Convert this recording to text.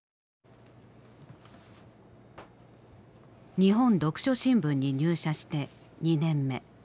「日本読書新聞」に入社して２年目。